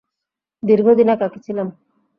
দীর্ঘদিন একাকী ছিলাম।